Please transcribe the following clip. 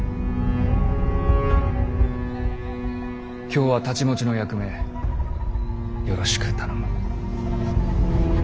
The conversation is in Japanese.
今日は太刀持ちの役目よろしく頼む。